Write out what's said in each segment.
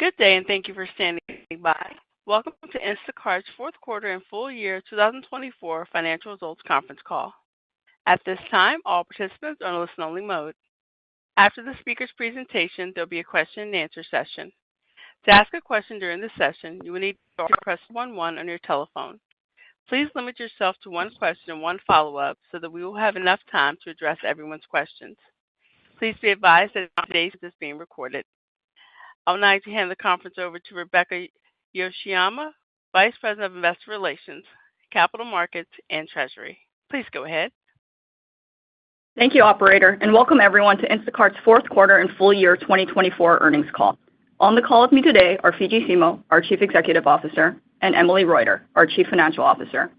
Good day, and thank you for standing by. Welcome to Instacart's fourth quarter and full year 2024 financial results conference call. At this time, all participants are in listen-only mode. After the speaker's presentation, there'll be a question-and-answer session. To ask a question during the session, you will need to press 11 on your telephone. Please limit yourself to one question and one follow-up so that we will have enough time to address everyone's questions. Please be advised that today's session is being recorded. I'm now going to hand the conference over to Rebecca Yoshiyama, Vice President of Investor Relations, Capital Markets, and Treasury. Please go ahead. Thank you, Operator, and welcome everyone to Instacart's fourth quarter and full year 2024 earnings call. On the call with me today are Fidji Simo, our Chief Executive Officer, and Emily Reuter, our Chief Financial Officer.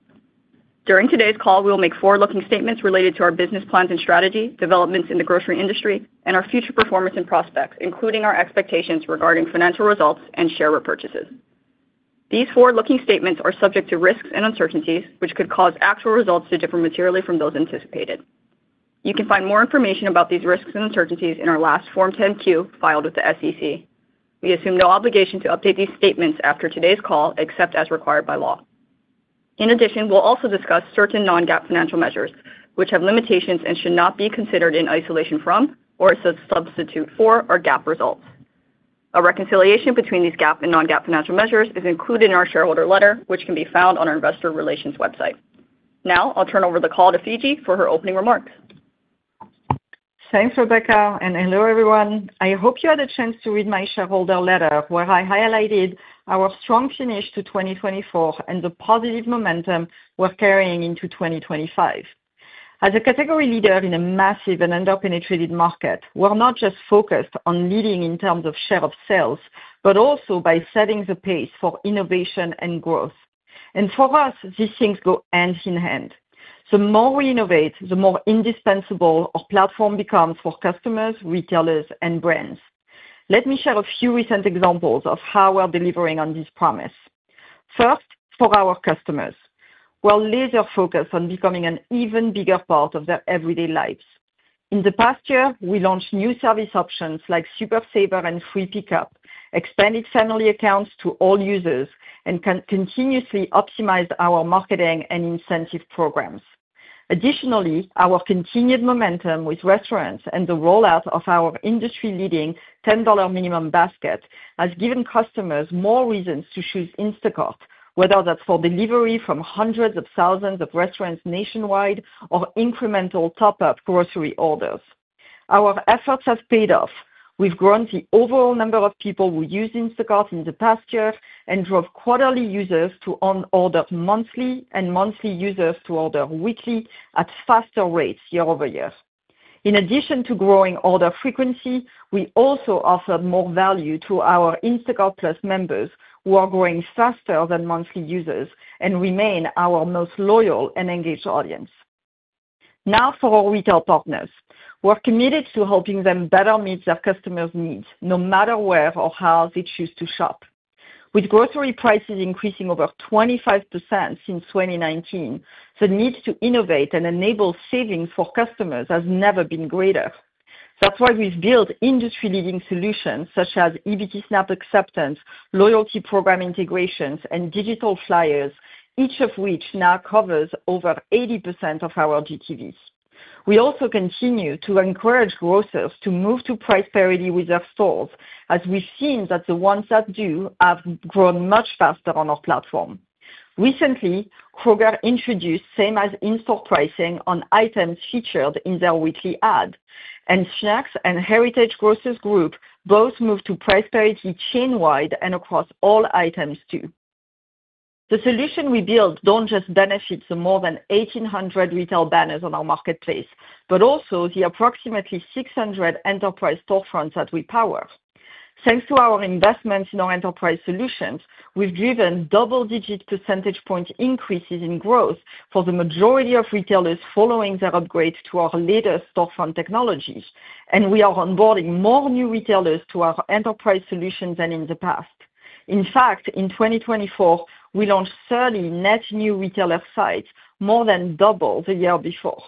During today's call, we will make forward-looking statements related to our business plans and strategy, developments in the grocery industry, and our future performance and prospects, including our expectations regarding financial results and share repurchases. These forward-looking statements are subject to risks and uncertainties, which could cause actual results to differ materially from those anticipated. You can find more information about these risks and uncertainties in our last Form 10-Q filed with the SEC. We assume no obligation to update these statements after today's call, except as required by law. In addition, we'll also discuss certain non-GAAP financial measures, which have limitations and should not be considered in isolation from or as a substitute for GAAP results. A reconciliation between these GAAP and non-GAAP financial measures is included in our shareholder letter, which can be found on our Investor Relations website. Now, I'll turn over the call to Fidji for her opening remarks. Thanks, Rebecca, and hello, everyone. I hope you had a chance to read my shareholder letter, where I highlighted our strong finish to 2024 and the positive momentum we're carrying into 2025. As a category leader in a massive and under-penetrated market, we're not just focused on leading in terms of share of sales, but also by setting the pace for innovation and growth. And for us, these things go hand in hand. The more we innovate, the more indispensable our platform becomes for customers, retailers, and brands. Let me share a few recent examples of how we're delivering on this promise. First, for our customers, we're laser-focused on becoming an even bigger part of their everyday lives. In the past year, we launched new service options like Super Saver and Free Pickup, expanded family accounts to all users, and continuously optimized our marketing and incentive programs. Additionally, our continued momentum with restaurants and the rollout of our industry-leading $10 Minimum Basket has given customers more reasons to choose Instacart, whether that's for delivery from hundreds of thousands of restaurants nationwide or incremental top-up grocery orders. Our efforts have paid off. We've grown the overall number of people who use Instacart in the past year and drove quarterly users to order monthly and monthly users to order weekly at faster rates year over year. In addition to growing order frequency, we also offered more value to our Instacart+ members who are growing faster than monthly users and remain our most loyal and engaged audience. Now, for our retail partners, we're committed to helping them better meet their customers' needs, no matter where or how they choose to shop. With grocery prices increasing over 25% since 2019, the need to innovate and enable savings for customers has never been greater. That's why we've built industry-leading solutions such as EBT SNAP acceptance, loyalty program integrations, and digital flyers, each of which now covers over 80% of our GTVs. We also continue to encourage grocers to move to price parity with their stores, as we've seen that the ones that do have grown much faster on our platform. Recently, Kroger introduced same-as-instore pricing on items featured in their weekly ad, and Schnucks and Heritage Grocers Group both moved to price parity chain-wide and across all items too. The solution we built doesn't just benefit the more than 1,800 retail banners on our marketplace, but also the approximately 600 enterprise storefronts that we power. Thanks to our investments in our enterprise solutions, we've driven double-digit percentage point increases in growth for the majority of retailers following their upgrade to our latest storefront technologies, and we are onboarding more new retailers to our enterprise solutions than in the past. In fact, in 2024, we launched 30 net new retailer sites, more than double the year before.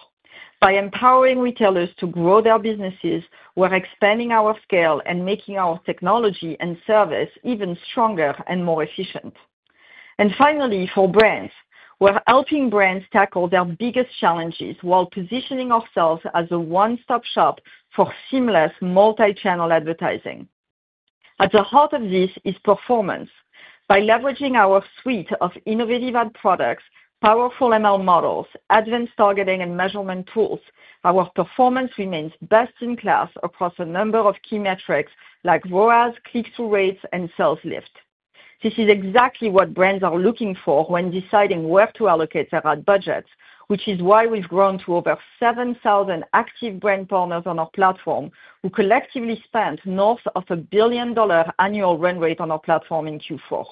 By empowering retailers to grow their businesses, we're expanding our scale and making our technology and service even stronger and more efficient. And finally, for brands, we're helping brands tackle their biggest challenges while positioning ourselves as a one-stop shop for seamless multi-channel advertising. At the heart of this is performance. By leveraging our suite of innovative ad products, powerful ML models, advanced targeting and measurement tools, our performance remains best in class across a number of key metrics like ROAS, click-through rates, and sales lift. This is exactly what brands are looking for when deciding where to allocate their ad budgets, which is why we've grown to over 7,000 active brand partners on our platform, who collectively spent north of $1 billion annual run rate on our platform in Q4.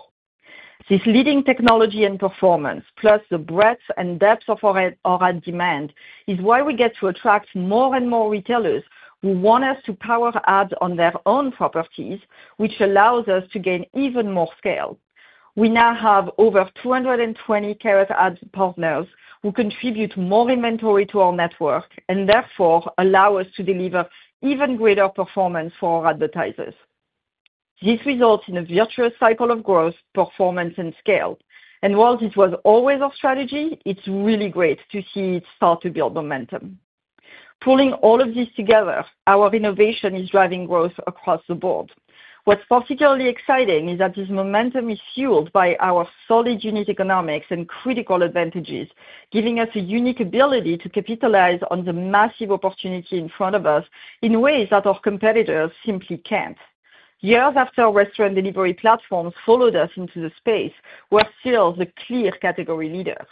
This leading technology and performance, plus the breadth and depth of our ad demand, is why we get to attract more and more retailers who want us to power ads on their own properties, which allows us to gain even more scale. We now have over 220 Carrot ad partners who contribute more inventory to our network and therefore allow us to deliver even greater performance for our advertisers. This results in a virtuous cycle of growth, performance, and scale, and while this was always our strategy, it's really great to see it start to build momentum. Pulling all of this together, our innovation is driving growth across the board. What's particularly exciting is that this momentum is fueled by our solid unit economics and critical advantages, giving us a unique ability to capitalize on the massive opportunity in front of us in ways that our competitors simply can't. Years after restaurant delivery platforms followed us into the space, we're still the clear category leader.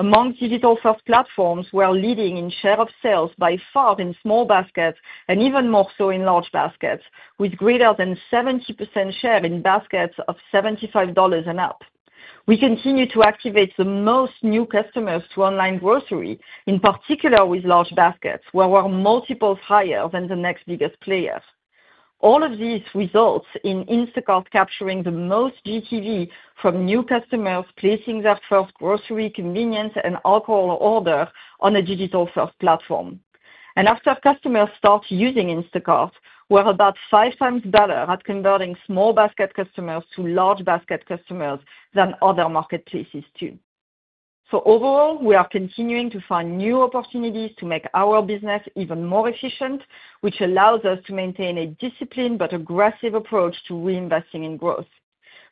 Among digital-first platforms, we're leading in share of sales by far in small baskets and even more so in large baskets, with greater than 70% share in baskets of $75 and up. We continue to activate the most new customers to online grocery, in particular with large baskets, where we're multiples higher than the next biggest player. All of these results in Instacart capturing the most GTV from new customers placing their first grocery convenience and alcohol order on a digital-first platform. And after customers start using Instacart, we're about five times better at converting small basket customers to large basket customers than other marketplaces do. So overall, we are continuing to find new opportunities to make our business even more efficient, which allows us to maintain a disciplined but aggressive approach to reinvesting in growth.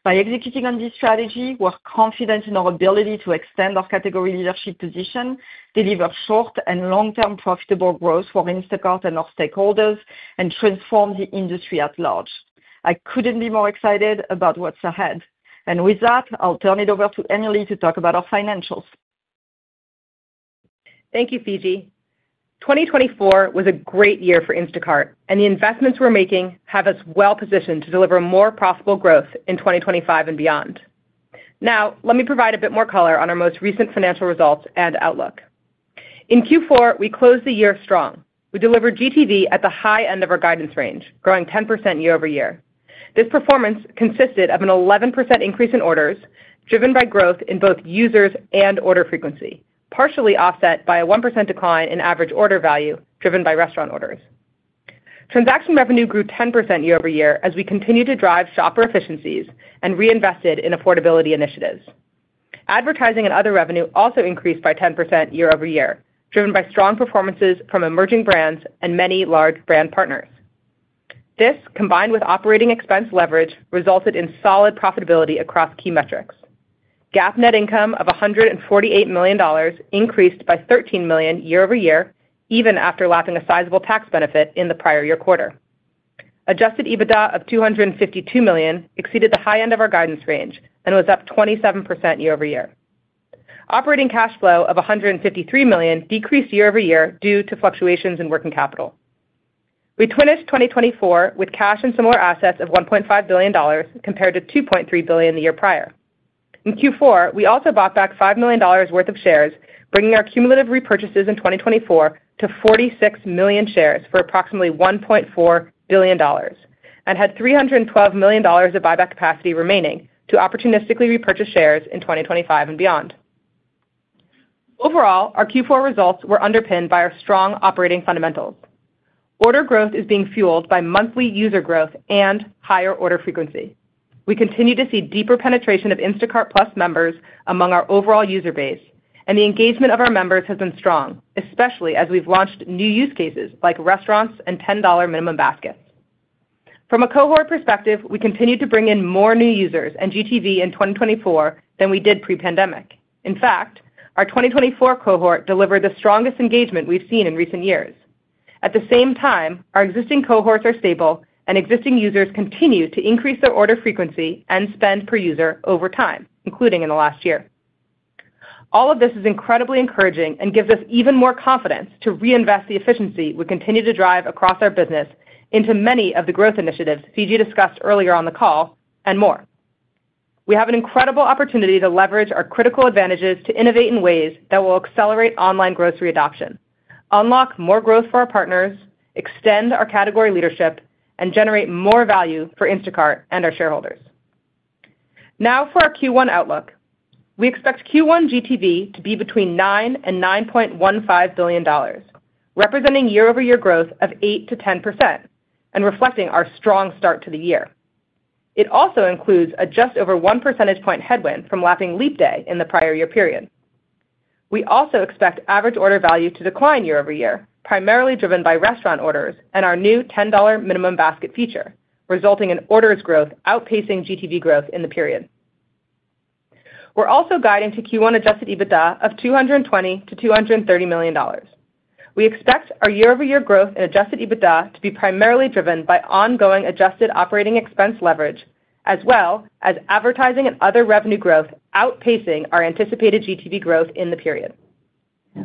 By executing on this strategy, we're confident in our ability to extend our category leadership position, deliver short and long-term profitable growth for Instacart and our stakeholders, and transform the industry at large. I couldn't be more excited about what's ahead. And with that, I'll turn it over to Emily to talk about our financials. Thank you, Fidji. 2024 was a great year for Instacart, and the investments we're making have us well-positioned to deliver more profitable growth in 2025 and beyond. Now, let me provide a bit more color on our most recent financial results and outlook. In Q4, we closed the year strong. We delivered GTV at the high end of our guidance range, growing 10% year over year. This performance consisted of an 11% increase in orders driven by growth in both users and order frequency, partially offset by a 1% decline in average order value driven by restaurant orders. Transaction revenue grew 10% year over year as we continued to drive shopper efficiencies and reinvested in affordability initiatives. Advertising and other revenue also increased by 10% year over year, driven by strong performances from emerging brands and many large brand partners. This, combined with operating expense leverage, resulted in solid profitability across key metrics. GAAP net income of $148 million increased by $13 million year over year, even after lapping a sizable tax benefit in the prior year quarter. Adjusted EBITDA of $252 million exceeded the high end of our guidance range and was up 27% year over year. Operating cash flow of $153 million decreased year over year due to fluctuations in working capital. We finished 2024 with cash and similar assets of $1.5 billion, compared to $2.3 billion the year prior. In Q4, we also bought back $5 million worth of shares, bringing our cumulative repurchases in 2024 to 46 million shares for approximately $1.4 billion, and had $312 million of buyback capacity remaining to opportunistically repurchase shares in 2025 and beyond. Overall, our Q4 results were underpinned by our strong operating fundamentals. Order growth is being fueled by monthly user growth and higher order frequency. We continue to see deeper penetration of Instacart+ members among our overall user base, and the engagement of our members has been strong, especially as we've launched new use cases like restaurants and $10 minimum baskets. From a cohort perspective, we continue to bring in more new users and GTV in 2024 than we did pre-pandemic. In fact, our 2024 cohort delivered the strongest engagement we've seen in recent years. At the same time, our existing cohorts are stable, and existing users continue to increase their order frequency and spend per user over time, including in the last year. All of this is incredibly encouraging and gives us even more confidence to reinvest the efficiency we continue to drive across our business into many of the growth initiatives Fidji discussed earlier on the call and more. We have an incredible opportunity to leverage our critical advantages to innovate in ways that will accelerate online grocery adoption, unlock more growth for our partners, extend our category leadership, and generate more value for Instacart and our shareholders. Now, for our Q1 outlook, we expect Q1 GTV to be between $9-$9.15 billion, representing year-over-year growth of 8%-10% and reflecting our strong start to the year. It also includes a just over one percentage point headwind from lapping leap day in the prior year period. We also expect average order value to decline year over year, primarily driven by restaurant orders and our new $10 minimum basket feature, resulting in orders growth outpacing GTV growth in the period. We're also guiding to Q1 adjusted EBITDA of $220-$230 million. We expect our year-over-year growth in Adjusted EBITDA to be primarily driven by ongoing adjusted operating expense leverage, as well as advertising and other revenue growth outpacing our anticipated GTV growth in the period.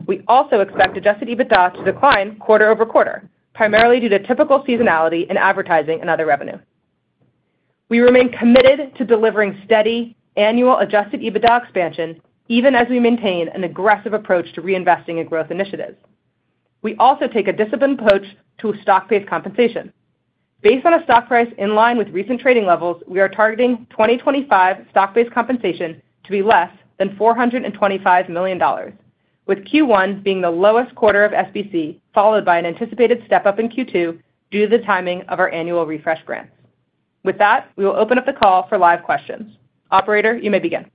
We also expect Adjusted EBITDA to decline quarter over quarter, primarily due to typical seasonality in advertising and other revenue. We remain committed to delivering steady annual Adjusted EBITDA expansion, even as we maintain an aggressive approach to reinvesting in growth initiatives. We also take a disciplined approach to stock-based compensation. Based on a stock price in line with recent trading levels, we are targeting 2025 stock-based compensation to be less than $425 million, with Q1 being the lowest quarter of SBC, followed by an anticipated step-up in Q2 due to the timing of our annual refresh grants. With that, we will open up the call for live questions. Operator, you may begin.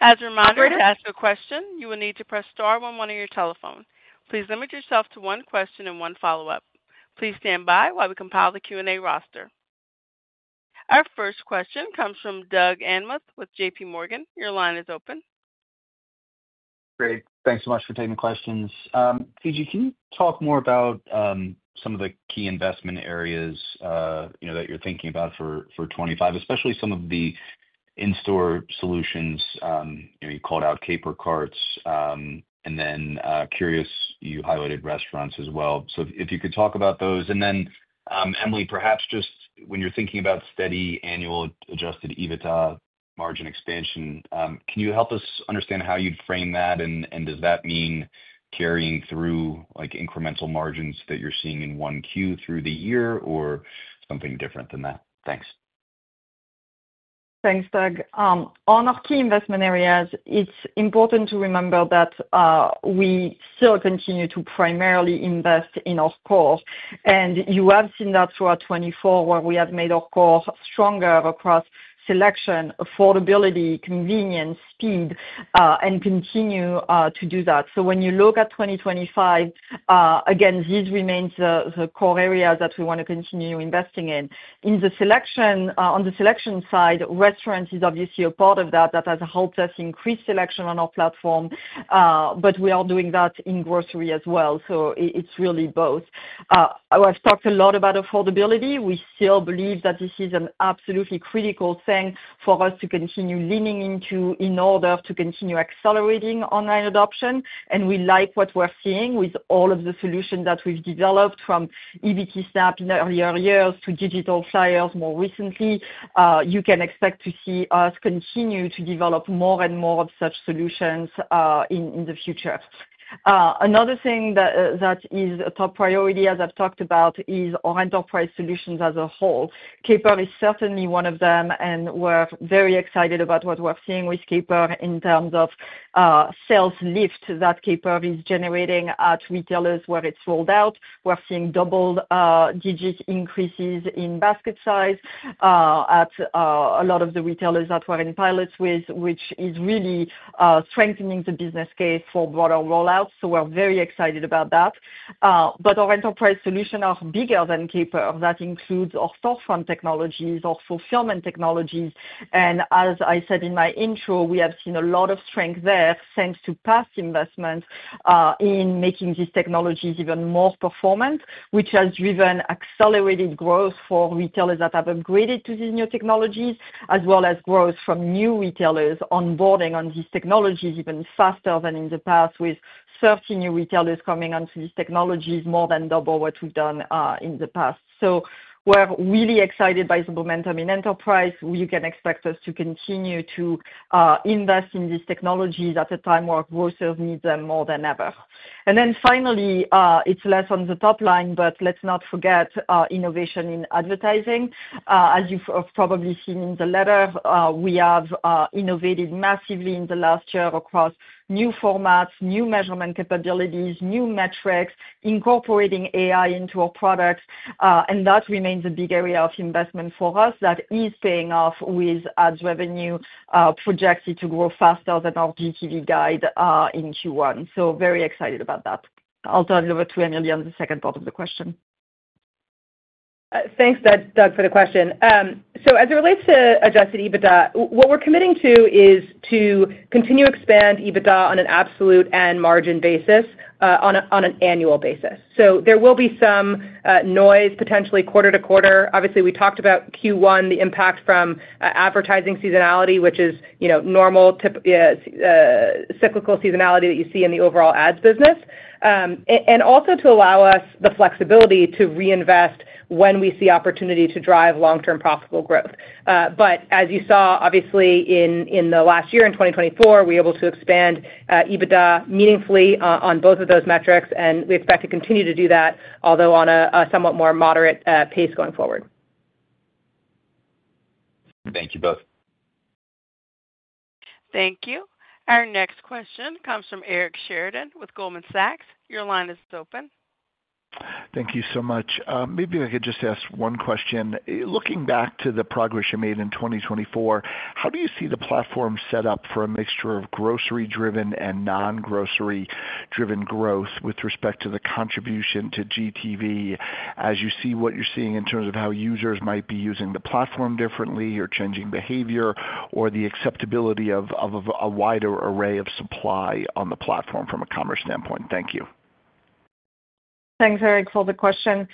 As a reminder to ask a question, you will need to press star on one of your telephones. Please limit yourself to one question and one follow-up. Please stand by while we compile the Q&A roster. Our first question comes from Doug Anmuth with JPMorgan. Your line is open. Great. Thanks so much for taking questions. Fidji, can you talk more about some of the key investment areas that you're thinking about for 2025, especially some of the in-store solutions? You called out Caper Carts, and then curious you highlighted restaurants as well. So if you could talk about those. And then, Emily, perhaps just when you're thinking about steady annual adjusted EBITDA margin expansion, can you help us understand how you'd frame that? And does that mean carrying through incremental margins that you're seeing in Q1 through the year or something different than that? Thanks. Thanks, Doug. On our key investment areas, it's important to remember that we still continue to primarily invest in our core. And you have seen that throughout 2024, where we have made our core stronger across selection, affordability, convenience, speed, and continue to do that. So when you look at 2025, again, these remain the core areas that we want to continue investing in. On the selection side, restaurant is obviously a part of that that has helped us increase selection on our platform, but we are doing that in grocery as well. So it's really both. I've talked a lot about affordability. We still believe that this is an absolutely critical thing for us to continue leaning into in order to continue accelerating online adoption. We like what we're seeing with all of the solutions that we've developed from EBT SNAP in earlier years to digital flyers more recently. You can expect to see us continue to develop more and more of such solutions in the future. Another thing that is a top priority, as I've talked about, is our enterprise solutions as a whole. Caper is certainly one of them, and we're very excited about what we're seeing with Caper in terms of sales lift that Caper is generating at retailers where it's rolled out. We're seeing double-digit increases in basket size at a lot of the retailers that we're in pilots with, which is really strengthening the business case for broader rollouts. We're very excited about that. Our enterprise solutions are bigger than Caper. That includes our software technologies, our fulfillment technologies. And as I said in my intro, we have seen a lot of strength there thanks to past investments in making these technologies even more performant, which has driven accelerated growth for retailers that have upgraded to these new technologies, as well as growth from new retailers onboarding on these technologies even faster than in the past, with 30 new retailers coming onto these technologies more than double what we've done in the past. So we're really excited by the momentum in enterprise. You can expect us to continue to invest in these technologies at a time where grocers need them more than ever. And then finally, it's less on the top line, but let's not forget innovation in advertising. As you've probably seen in the letter, we have innovated massively in the last year across new formats, new measurement capabilities, new metrics, incorporating AI into our products. And that remains a big area of investment for us that is paying off with ads revenue projected to grow faster than our GTV guide in Q1. So very excited about that. I'll turn it over to Emily on the second part of the question. Thanks, Doug, for the question. So as it relates to adjusted EBITDA, what we're committing to is to continue to expand EBITDA on an absolute and margin basis on an annual basis. So there will be some noise, potentially quarter to quarter. Obviously, we talked about Q1, the impact from advertising seasonality, which is normal cyclical seasonality that you see in the overall ads business, and also to allow us the flexibility to reinvest when we see opportunity to drive long-term profitable growth. But as you saw, obviously, in the last year in 2024, we were able to expand EBITDA meaningfully on both of those metrics, and we expect to continue to do that, although on a somewhat more moderate pace going forward. Thank you both. Thank you. Our next question comes from Eric Sheridan with Goldman Sachs. Your line is open. Thank you so much. Maybe I could just ask one question. Looking back to the progress you made in 2024, how do you see the platform set up for a mixture of grocery-driven and non-grocery-driven growth with respect to the contribution to GTV as you see what you're seeing in terms of how users might be using the platform differently or changing behavior or the acceptability of a wider array of supply on the platform from a commerce standpoint? Thank you. Thanks, Eric, for the question.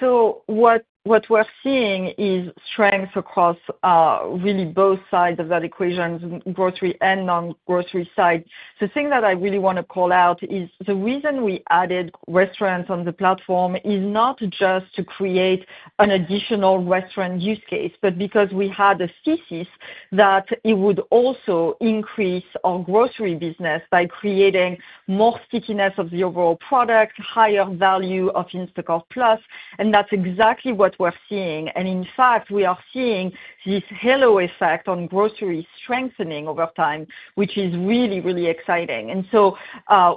So what we're seeing is strength across really both sides of that equation, grocery and non-grocery side. The thing that I really want to call out is the reason we added restaurants on the platform is not just to create an additional restaurant use case, but because we had a thesis that it would also increase our grocery business by creating more stickiness of the overall product, higher value of Instacart+, and that's exactly what we're seeing. And in fact, we are seeing this halo effect on grocery strengthening over time, which is really, really exciting. And so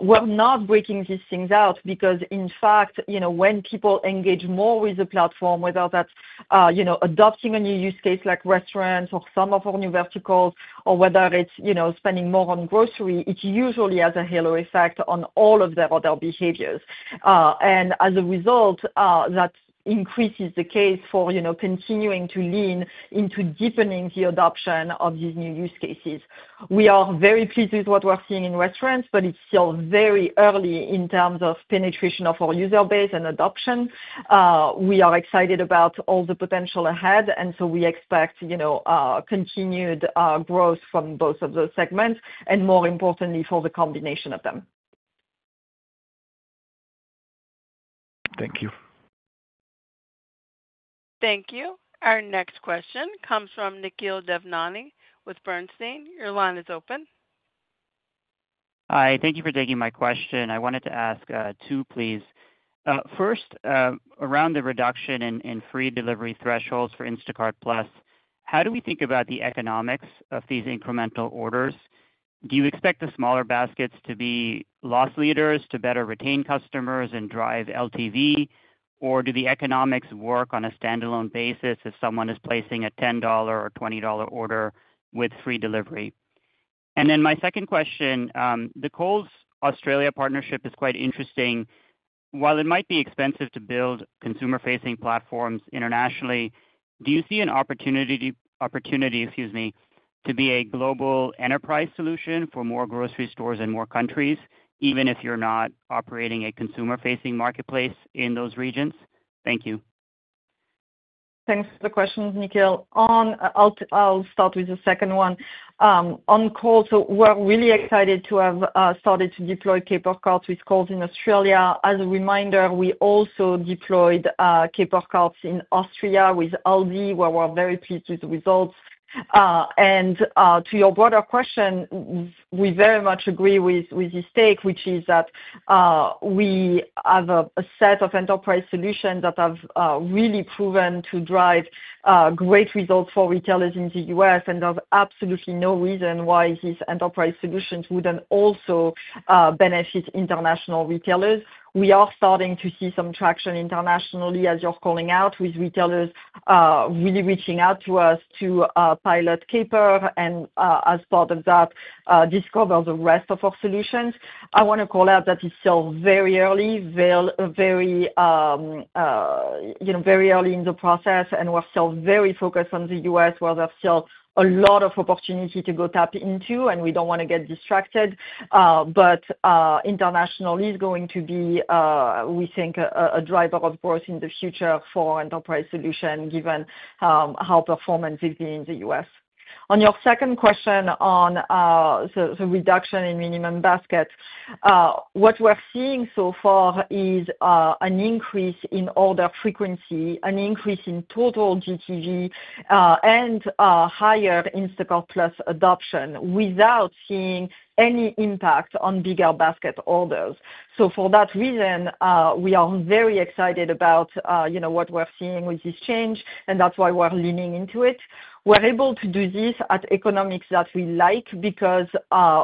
we're not breaking these things out because, in fact, when people engage more with the platform, whether that's adopting a new use case like restaurants or some of our new verticals, or whether it's spending more on grocery, it usually has a halo effect on all of their other behaviors. And as a result, that increases the case for continuing to lean into deepening the adoption of these new use cases. We are very pleased with what we're seeing in restaurants, but it's still very early in terms of penetration of our user base and adoption. We are excited about all the potential ahead, and so we expect continued growth from both of those segments and, more importantly, for the combination of them. Thank you. Thank you. Our next question comes from Nikhil Devnani with Bernstein. Your line is open. Hi. Thank you for taking my question. I wanted to ask two, please. First, around the reduction in free delivery thresholds for Instacart+, how do we think about the economics of these incremental orders? Do you expect the smaller baskets to be loss leaders to better retain customers and drive LTV, or do the economics work on a standalone basis if someone is placing a $10 or $20 order with free delivery? And then my second question, the Coles Australia partnership is quite interesting. While it might be expensive to build consumer-facing platforms internationally, do you see an opportunity, excuse me, to be a global enterprise solution for more grocery stores in more countries, even if you're not operating a consumer-facing marketplace in those regions? Thank you. Thanks for the question, Nikhil. I'll start with the second one. On Coles, we're really excited to have started to deploy Caper Carts with Coles in Australia. As a reminder, we also deployed Caper Carts in Austria with Aldi, where we're very pleased with the results. And to your broader question, we very much agree with this take, which is that we have a set of enterprise solutions that have really proven to drive great results for retailers in the US, and there's absolutely no reason why these enterprise solutions wouldn't also benefit international retailers. We are starting to see some traction internationally, as you're calling out, with retailers really reaching out to us to pilot Caper and, as part of that, discover the rest of our solutions. I want to call out that it's still very early, very early in the process, and we're still very focused on the U.S., where there's still a lot of opportunity to go tap into, and we don't want to get distracted. But international is going to be, we think, a driver of growth in the future for enterprise solutions, given how performant they've been in the U.S. On your second question on the reduction in minimum baskets, what we're seeing so far is an increase in order frequency, an increase in total GTV, and higher Instacart+ adoption without seeing any impact on bigger basket orders. So for that reason, we are very excited about what we're seeing with this change, and that's why we're leaning into it. We're able to do this at economics that we like because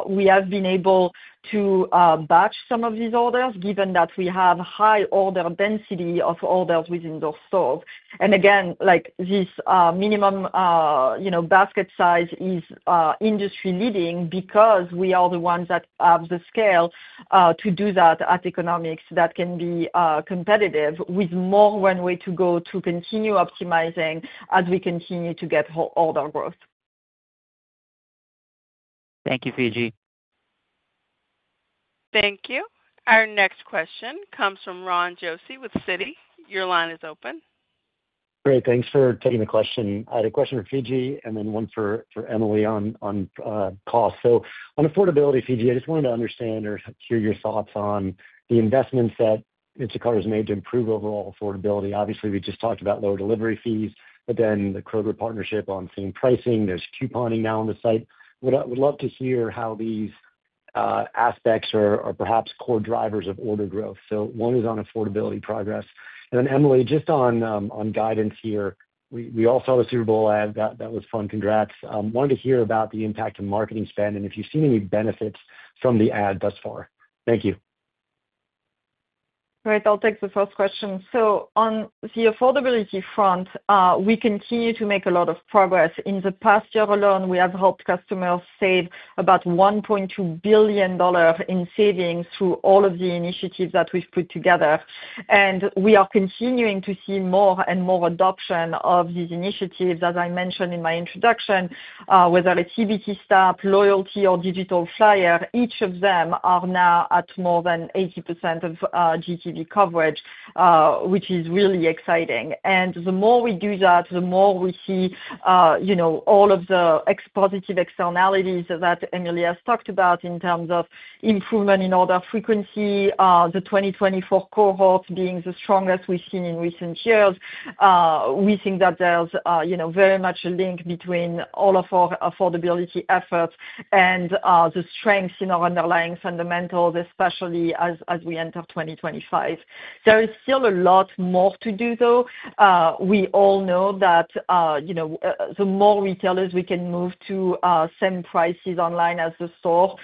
we have been able to batch some of these orders, given that we have high order density of orders within those stores, and again, this minimum basket size is industry-leading because we are the ones that have the scale to do that at economics that can be competitive with more, one way to go to continue optimizing as we continue to get order growth. Thank you, Fidji. Thank you. Our next question comes from Ron Josey with Citi. Your line is open. Great. Thanks for taking the question. I had a question for Fidji and then one for Emily on cost. So on affordability, Fidji, I just wanted to understand or hear your thoughts on the investments that Instacart has made to improve overall affordability. Obviously, we just talked about lower delivery fees, but then the Kroger partnership on same pricing, there's couponing now on the site. Would love to hear how these aspects are perhaps core drivers of order growth. So one is on affordability progress. And then, Emily, just on guidance here, we all saw the Super Bowl ad. That was fun. Congrats. Wanted to hear about the impact of marketing spend and if you've seen any benefits from the ad thus far. Thank you. All right. I'll take the first question. So on the affordability front, we continue to make a lot of progress. In the past year alone, we have helped customers save about $1.2 billion in savings through all of the initiatives that we've put together. And we are continuing to see more and more adoption of these initiatives, as I mentioned in my introduction, whether it's EBT SNAP, Loyalty, or Digital Flyer. Each of them are now at more than 80% of GTV coverage, which is really exciting. And the more we do that, the more we see all of the positive externalities that Emily has talked about in terms of improvement in order frequency, the 2024 cohort being the strongest we've seen in recent years. We think that there's very much a link between all of our affordability efforts and the strengths in our underlying fundamentals, especially as we enter 2025. There is still a lot more to do, though. We all know that the more retailers we can move to same prices online as the store,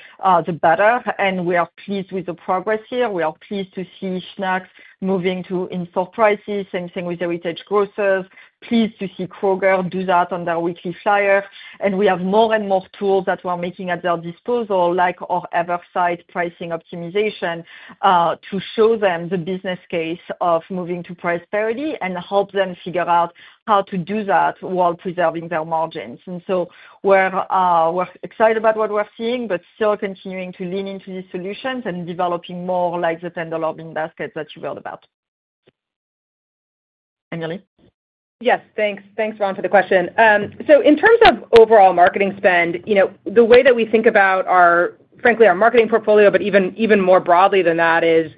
the better, and we are pleased with the progress here. We are pleased to see Schnucks moving to in-store prices, same thing with Heritage Grocers, pleased to see Kroger do that on their weekly flyer, and we have more and more tools that we're making at their disposal, like our Eversight pricing optimization, to show them the business case of moving to price parity and help them figure out how to do that while preserving their margins. We're excited about what we're seeing, but still continuing to lean into these solutions and developing more like the $10 minimum basket that you wrote about. Yes, thanks. Thanks, Ron, for the question. So in terms of overall marketing spend, the way that we think about, frankly, our marketing portfolio, but even more broadly than that, is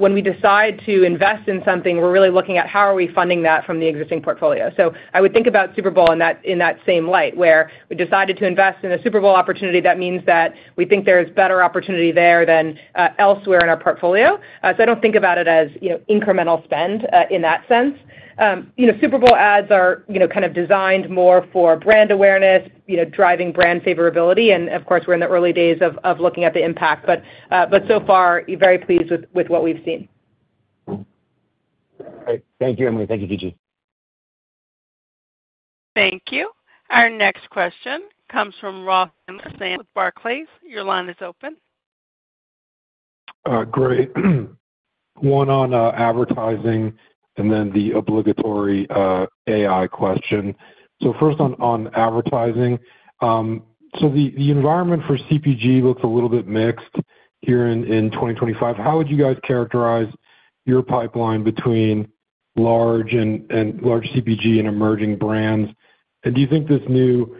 when we decide to invest in something, we're really looking at how are we funding that from the existing portfolio. So I would think about Super Bowl in that same light, where we decided to invest in a Super Bowl opportunity. That means that we think there's better opportunity there than elsewhere in our portfolio. So I don't think about it as incremental spend in that sense. Super Bowl ads are kind of designed more for brand awareness, driving brand favorability. And of course, we're in the early days of looking at the impact, but so far, very pleased with what we've seen. Great. Thank you, Emily. Thank you, Fidji. Thank you. Our next question comes from Ross Sandler with Barclays. Your line is open. Great. One on advertising and then the obligatory AI question. So first on advertising. So the environment for CPG looks a little bit mixed here in 2025. How would you guys characterize your pipeline between large CPG and emerging brands? And do you think this new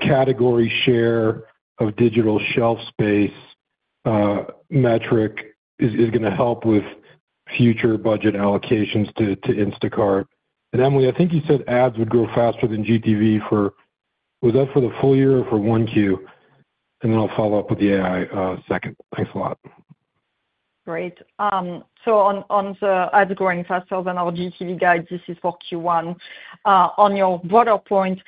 category share of digital shelf space metric is going to help with future budget allocations to Instacart? And Emily, I think you said ads would grow faster than GTV for, was that for the full year or for one Q? And then I'll follow up with the AI second. Thanks a lot. Great. So on the ads growing faster than our GTV guide, this is for Q1. On your broader point,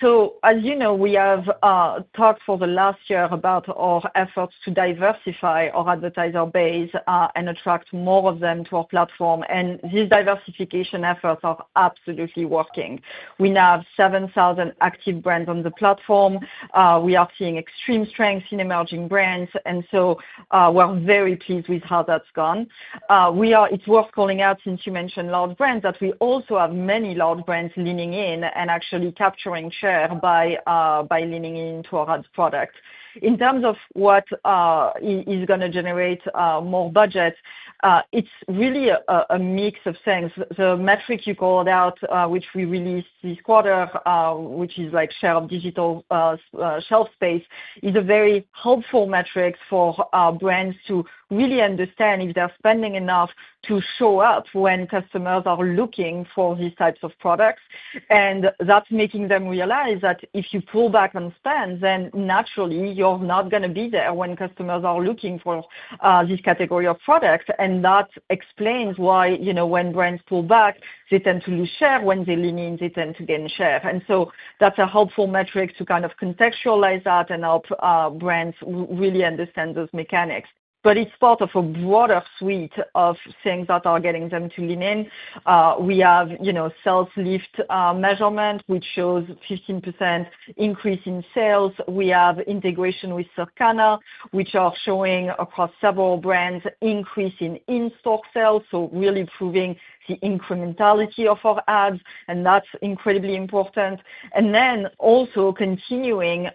so as you know, we have talked for the last year about our efforts to diversify our advertiser base and attract more of them to our platform. And these diversification efforts are absolutely working. We now have 7,000 active brands on the platform. We are seeing extreme strength in emerging brands, and so we're very pleased with how that's gone. It's worth calling out, since you mentioned large brands, that we also have many large brands leaning in and actually capturing share by leaning into our ads product. In terms of what is going to generate more budget, it's really a mix of things. The metric you called out, which we released this quarter, which is like share of digital shelf space, is a very helpful metric for brands to really understand if they're spending enough to show up when customers are looking for these types of products. And that's making them realize that if you pull back on spend, then naturally, you're not going to be there when customers are looking for this category of products. And that explains why when brands pull back, they tend to lose share. When they lean in, they tend to gain share. And so that's a helpful metric to kind of contextualize that and help brands really understand those mechanics. But it's part of a broader suite of things that are getting them to lean in. We have Sales Lift measurement, which shows a 15% increase in sales. We have integration with Circana, which are showing across several brands an increase in in-store sales, so really proving the incrementality of our ads, and that's incredibly important. And then also continuing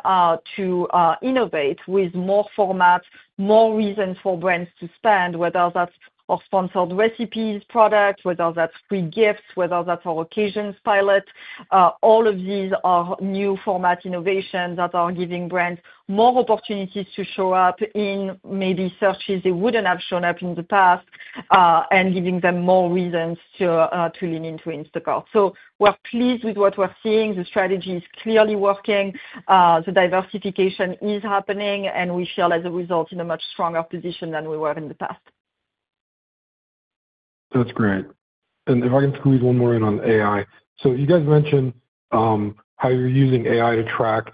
to innovate with more formats, more reasons for brands to spend, whether that's our Sponsored Recipes products, whether that's free gifts, whether that's our occasions pilot. All of these are new format innovations that are giving brands more opportunities to show up in maybe searches they wouldn't have shown up in the past and giving them more reasons to lean into Instacart. So we're pleased with what we're seeing. The strategy is clearly working. The diversification is happening, and we feel, as a result, in a much stronger position than we were in the past. That's great. And if I can squeeze one more in on AI. So you guys mentioned how you're using AI to track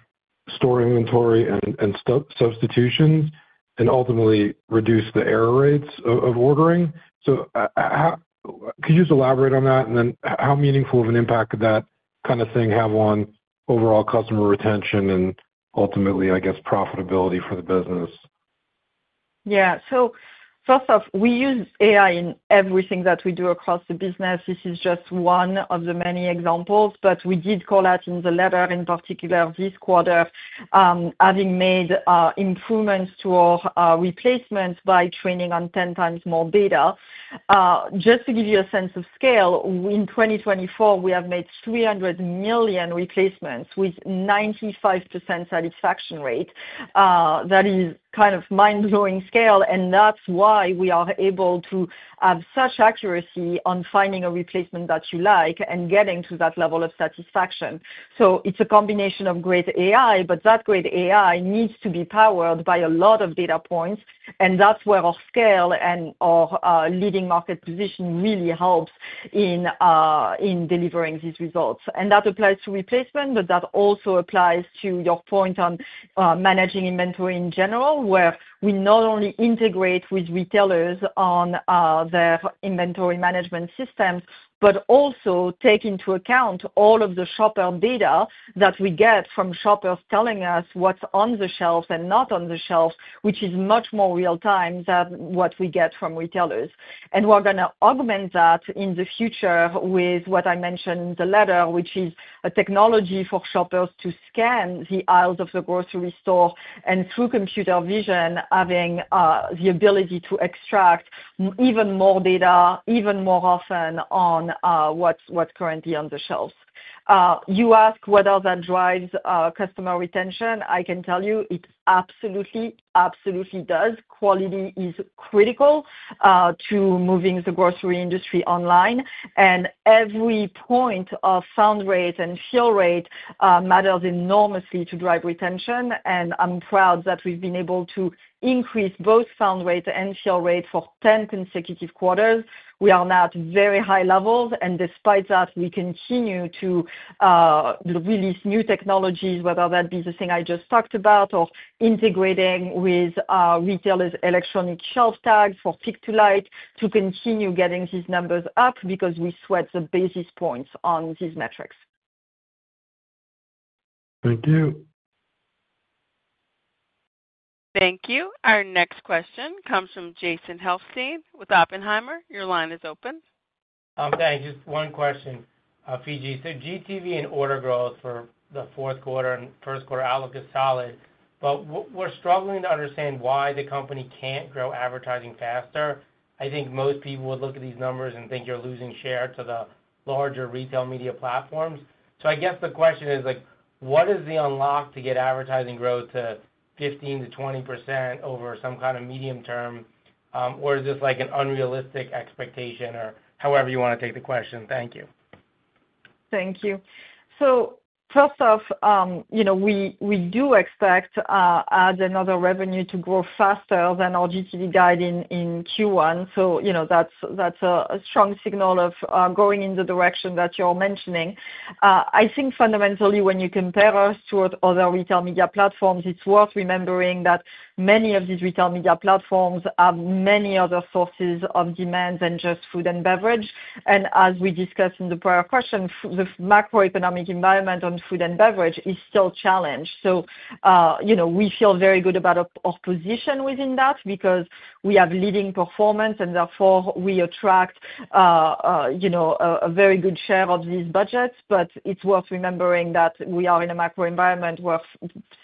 store inventory and substitutions and ultimately reduce the error rates of ordering. So could you just elaborate on that? And then how meaningful of an impact could that kind of thing have on overall customer retention and ultimately, I guess, profitability for the business? Yeah. So first off, we use AI in everything that we do across the business. This is just one of the many examples, but we did call out in the letter, in particular this quarter, having made improvements to our replacements by training on 10 times more data. Just to give you a sense of scale, in 2024, we have made 300 million replacements with a 95% satisfaction rate. That is kind of mind-blowing scale, and that's why we are able to have such accuracy on finding a replacement that you like and getting to that level of satisfaction. So it's a combination of great AI, but that great AI needs to be powered by a lot of data points, and that's where our scale and our leading market position really helps in delivering these results. That applies to replacement, but that also applies to your point on managing inventory in general, where we not only integrate with retailers on their inventory management systems, but also take into account all of the shopper data that we get from shoppers telling us what's on the shelves and not on the shelves, which is much more real-time than what we get from retailers. We're going to augment that in the future with what I mentioned in the letter, which is a technology for shoppers to scan the aisles of the grocery store and, through computer vision, having the ability to extract even more data, even more often on what's currently on the shelves. You ask whether that drives customer retention. I can tell you it absolutely, absolutely does. Quality is critical to moving the grocery industry online. And every point of found rate and fill rate matters enormously to drive retention. And I'm proud that we've been able to increase both found rate and fill rate for 10 consecutive quarters. We are now at very high levels, and despite that, we continue to release new technologies, whether that be the thing I just talked about or integrating with retailers' electronic shelf tags for pick-to-light to continue getting these numbers up because we sweat the basis points on these metrics. Thank you. Thank you. Our next question comes from Jason Helfstein with Oppenheimer. Your line is open. Thanks. Just one question, Fidji. So GTV and order growth for the fourth quarter and first quarter outlook is solid, but we're struggling to understand why the company can't grow advertising faster. I think most people would look at these numbers and think you're losing share to the larger retail media platforms. So I guess the question is, what is the unlock to get advertising growth to 15%-20% over some kind of medium term, or is this an unrealistic expectation, or however you want to take the question? Thank you. Thank you. So first off, we do expect ads and other revenue to grow faster than our GTV guide in Q1. So that's a strong signal of going in the direction that you're mentioning. I think fundamentally, when you compare us to other retail media platforms, it's worth remembering that many of these retail media platforms have many other sources of demand than just food and beverage. And as we discussed in the prior question, the macroeconomic environment on food and beverage is still a challenge. So we feel very good about our position within that because we have leading performance, and therefore we attract a very good share of these budgets. But it's worth remembering that we are in a macro environment where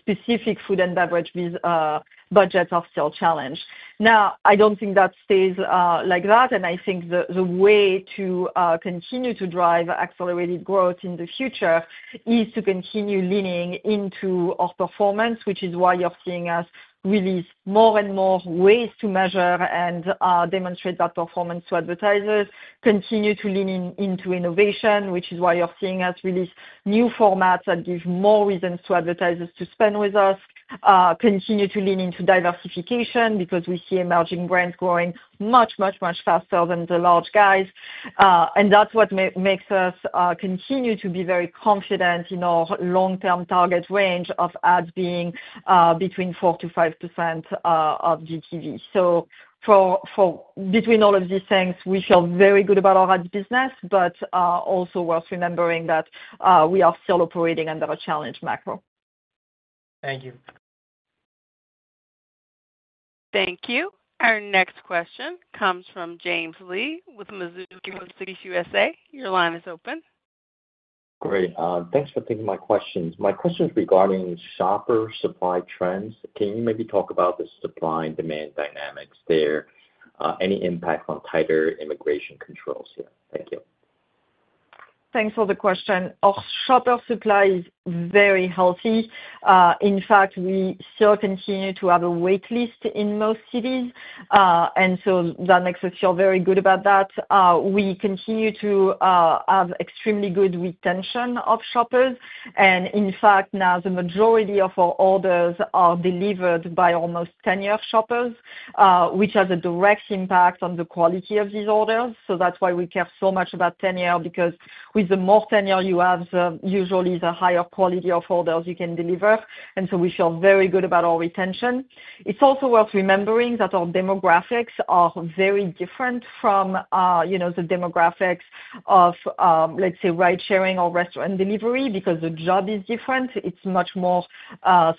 specific food and beverage budgets are still a challenge. Now, I don't think that stays like that, and I think the way to continue to drive accelerated growth in the future is to continue leaning into our performance, which is why you're seeing us release more and more ways to measure and demonstrate that performance to advertisers, continue to lean into innovation, which is why you're seeing us release new formats that give more reasons to advertisers to spend with us, continue to lean into diversification because we see emerging brands growing much, much, much faster than the large guys. And that's what makes us continue to be very confident in our long-term target range of ads being between 4%-5% of GTV. So between all of these things, we feel very good about our ads business, but also worth remembering that we are still operating under a challenging macro. Thank you. Thank you. Our next question comes from James Lee with Mizuho Securities. Your line is open. Great. Thanks for taking my questions. My question is regarding shopper supply trends. Can you maybe talk about the supply and demand dynamics there? Any impact on tighter immigration controls here? Thank you. Thanks for the question. Our shopper supply is very healthy. In fact, we still continue to have a waitlist in most cities, and so that makes us feel very good about that. We continue to have extremely good retention of shoppers. And in fact, now the majority of our orders are delivered by our most tenured shoppers, which has a direct impact on the quality of these orders. So that's why we care so much about tenure, because with the more tenure you have, usually the higher quality of orders you can deliver. And so we feel very good about our retention. It's also worth remembering that our demographics are very different from the demographics of, let's say, ride-sharing or restaurant delivery because the job is different. It's much more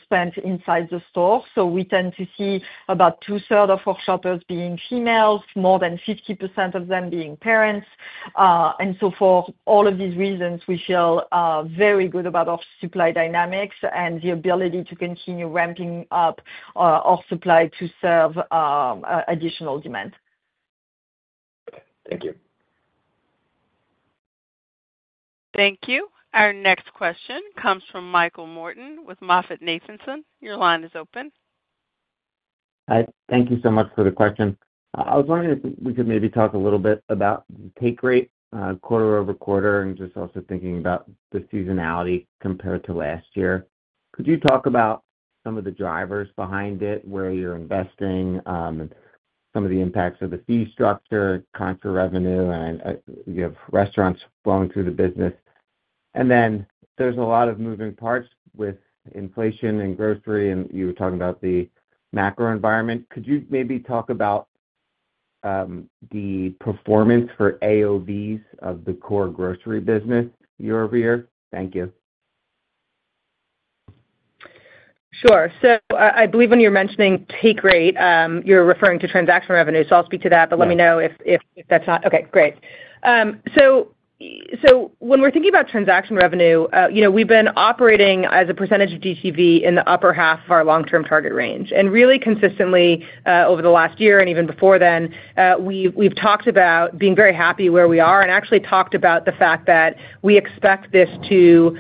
spent inside the store. We tend to see about two-thirds of our shoppers being females, more than 50% of them being parents. For all of these reasons, we feel very good about our supply dynamics and the ability to continue ramping up our supply to serve additional demand. Okay. Thank you. Thank you. Our next question comes from Michael Morton with MoffettNathanson. Your line is open. Hi. Thank you so much for the question. I was wondering if we could maybe talk a little bit about the GTV growth quarter over quarter and just also thinking about the seasonality compared to last year. Could you talk about some of the drivers behind it, where you're investing, some of the impacts of the fee structure, ad revenue, and you have restaurants flowing through the business? And then there's a lot of moving parts with inflation and grocery, and you were talking about the macro environment. Could you maybe talk about the performance for AOVs of the core grocery business year over year? Thank you. Sure. So I believe when you're mentioning take rate, you're referring to transaction revenue. So I'll speak to that, but let me know if that's not okay. Great. So when we're thinking about transaction revenue, we've been operating as a percentage of GTV in the upper half of our long-term target range. And really consistently over the last year and even before then, we've talked about being very happy where we are and actually talked about the fact that we expect this to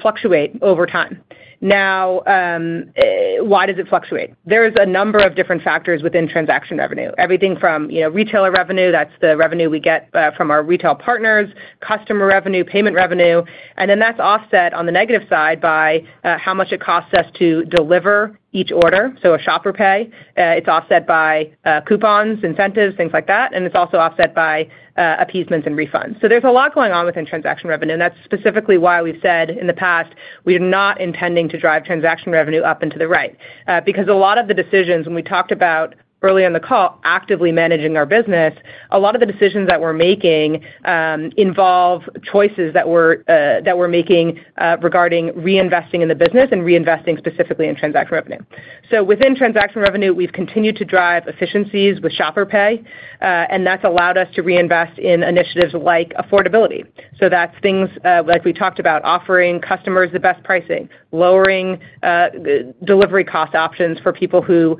fluctuate over time. Now, why does it fluctuate? There is a number of different factors within transaction revenue, everything from retailer revenue. That's the revenue we get from our retail partners, customer revenue, payment revenue. And then that's offset on the negative side by how much it costs us to deliver each order, so a shopper pay. It's offset by coupons, incentives, things like that. It's also offset by appeasements and refunds. There's a lot going on within transaction revenue. That's specifically why we've said in the past we are not intending to drive transaction revenue up into the right because a lot of the decisions, when we talked about early on the call, actively managing our business, a lot of the decisions that we're making involve choices that we're making regarding reinvesting in the business and reinvesting specifically in transaction revenue. Within transaction revenue, we've continued to drive efficiencies with shopper pay, and that's allowed us to reinvest in initiatives like affordability. That's things like we talked about, offering customers the best pricing, lowering delivery cost options for people who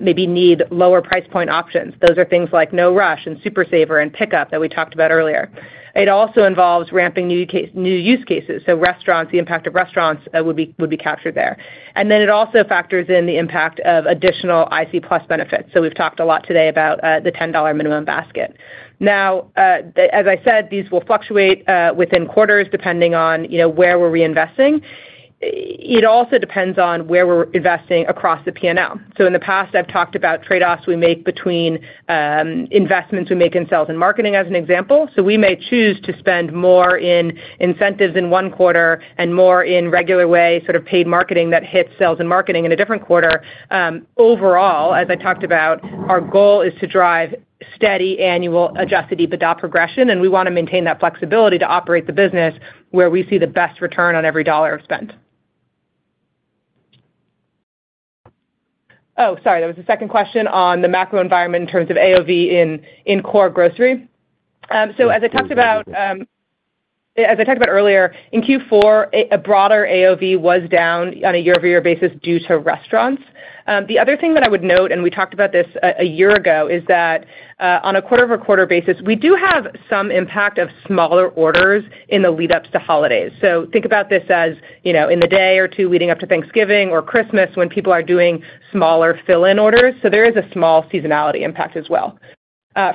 maybe need lower price point options. Those are things like No Rush and Super Saver and pickup that we talked about earlier. It also involves ramping new use cases, so restaurants, the impact of restaurants would be captured there. And then it also factors in the impact of additional Instacart+ benefits. So we've talked a lot today about the $10 minimum basket. Now, as I said, these will fluctuate within quarters depending on where we're reinvesting. It also depends on where we're investing across the P&L. So in the past, I've talked about trade-offs we make between investments we make in sales and marketing as an example. So we may choose to spend more in incentives in one quarter and more in regular way, sort of paid marketing that hits sales and marketing in a different quarter. Overall, as I talked about, our goal is to drive steady annual Adjusted EBITDA progression, and we want to maintain that flexibility to operate the business where we see the best return on every dollar spent. Oh, sorry. There was a second question on the macro environment in terms of AOV in core grocery, so as I talked about earlier, in Q4, a broader AOV was down on a year-over-year basis due to restaurants. The other thing that I would note, and we talked about this a year ago, is that on a quarter-over-quarter basis, we do have some impact of smaller orders in the lead-up to holidays, so think about this as in the day or two leading up to Thanksgiving or Christmas when people are doing smaller fill-in orders, so there is a small seasonality impact as well.